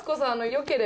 よけれ